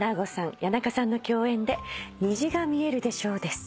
谷中さんの共演で『虹が見えるでしょう』です。